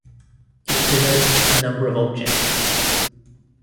It denotes a number of objects.